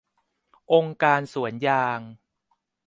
องค์การสวนยาง